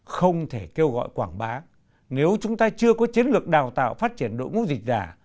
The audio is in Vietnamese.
không thể kêu gọi quảng bá nếu chúng ta chưa có chiến lược đào tạo phát triển đội ngũ dịch giả